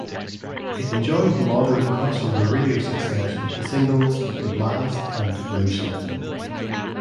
It enjoyed moderate crossover radio success with the singles "The Blast" and "Move Somethin'".